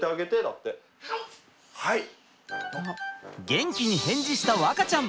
元気に返事した和花ちゃん。